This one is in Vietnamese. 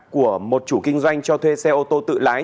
của một chủ kinh doanh cho thuê xe ô tô tự lái